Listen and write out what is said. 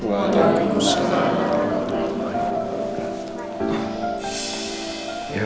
waalaikumsalam warahmatullahi wabarakatuh